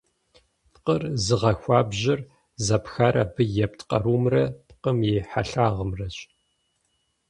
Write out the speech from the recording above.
Пкъыр зыгъэхуабжьыр зэпхар абы епт къарумрэ пкъым и хьэлъагъымрэщ.